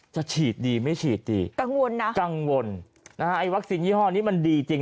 จะฉีดดีไม่ฉีดดีกังวลนะกังวลนะฮะไอ้วัคซีนยี่ห้อนี้มันดีจริง